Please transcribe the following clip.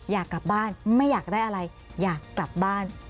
อยากกลับบ้านไม่อยากได้อะไรอยากกลับบ้าน